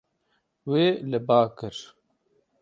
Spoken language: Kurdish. Wê li ba kir.